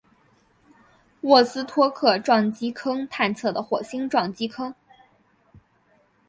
沃斯托克撞击坑探测的火星撞击坑。